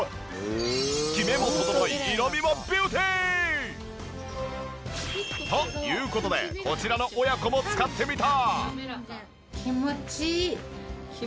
キメも整い色味もビューティー！という事でこちらの親子も使ってみた。